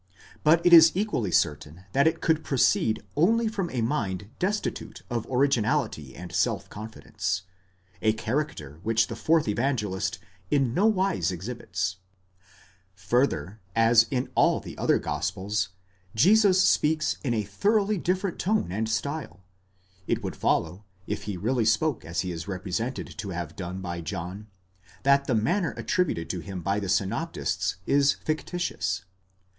373 is equally certain that it could proceed only from a mind destitute of origin ality and self confidence,—a character which the fourth Evangelist in nowise exhibits Further, as in the other gospels Jesus speaks in a thoroughly different tone and style, it would follow, if he really spoke as he is repre sented to have done by John, that the manner attributed to him by the synoptists is fictitious.